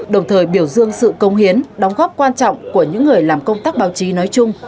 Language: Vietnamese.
đồng thời biểu dương sự công hiến đóng góp quan trọng của những người làm công tác báo chí nói chung